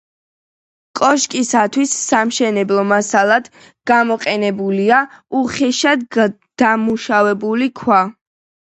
კოშკისათვის სამშენებლო მასალად გამოყენებულია უხეშად დამუშავებული ქვა.